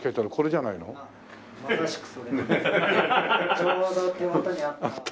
ちょうど手元にあった。